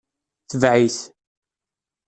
Tbeɛ-it.